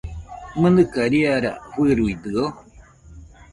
¿Mɨnɨka riara fɨruidɨo?